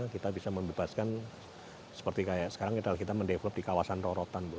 kita bisa membebaskan seperti kayak sekarang kita mendevelop di kawasan rorotan bu